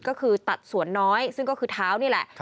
ก็คือตัดสวนน้อยซึ่งก็คือเท้านี่แหละ